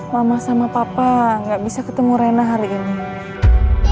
mama sama papa nggak bisa ketemu rena hari ini